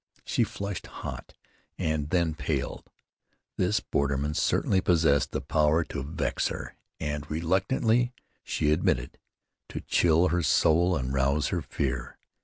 She flushed hot and then paled. This borderman certainly possessed the power to vex her, and, reluctantly she admitted, to chill her soul and rouse her fear.